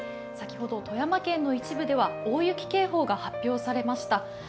先ほど富山県の一部では大雪警報が発表されました。